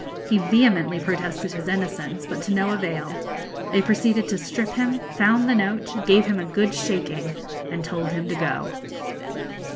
He vehemently protested his innocence, but to no avail. They proceeded to strip him, found the note, gave him a good shaking, and told him to go.